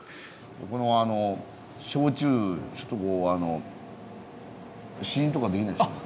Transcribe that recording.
ここのあの焼酎ちょっとこう試飲とかできないですかね？